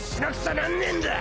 なんねえんだ！